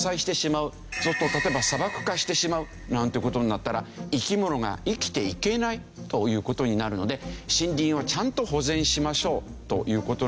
そうすると例えば砂漠化してしまうなんていう事になったら生き物が生きていけないという事になるので森林をちゃんと保全しましょうという事なんですね。